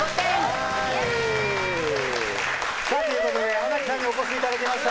山崎さんにお越しいただきました。